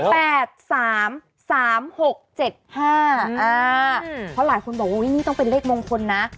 เพราะหลายคนบอกอุ้ยนี่ต้องเป็นเลขมงคลนะ